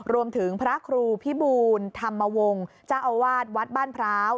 พระครูพิบูลธรรมวงศ์เจ้าอาวาสวัดบ้านพร้าว